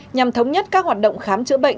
nhằm thống nhất các hoạt động khám chữa bệnh